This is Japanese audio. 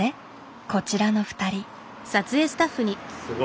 こちらの２人。